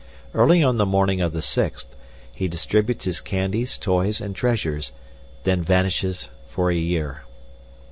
Early on the morning of the sixth, he distributes his candies, toys, and treasures, then vanishes for a year.